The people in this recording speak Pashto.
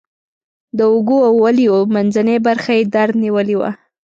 د اوږو او ولیو منځنۍ برخه یې درد نیولې وه.